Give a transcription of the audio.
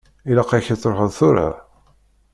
Ilaq-ak ad truḥeḍ tura?